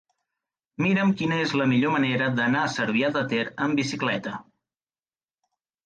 Mira'm quina és la millor manera d'anar a Cervià de Ter amb bicicleta.